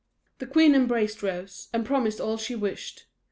The queen embraced Rose, and promised all she wished.